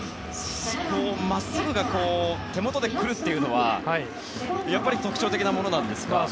まっすぐが手元で来るっていうのはやっぱり特徴的なものなんですか？